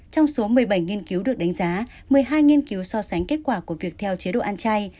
trong số một mươi bảy nghiên cứu được đánh giá một mươi hai nghiên cứu so sánh kết quả của việc theo chế độ ăn chay